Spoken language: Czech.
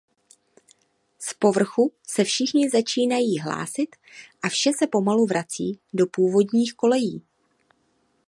Z povrchu se všichni začínají hlásit a vše se pomalu vrací do původních kolejí.